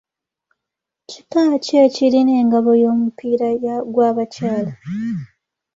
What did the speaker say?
Kika ki ekirina engabo y’omupiira gw’abakyala?